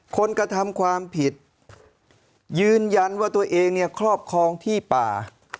กระทำความผิดยืนยันว่าตัวเองเนี่ยครอบครองที่ป่า